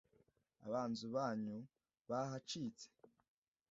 Abanzi banyu bahacitse